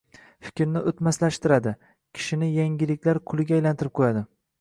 fikrni o‘tmaslashtiradi, kishini yangiliklar quliga aylantirib qo‘yadi.